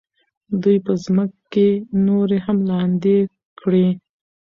دوی به ځمکې نورې هم لاندې کړي.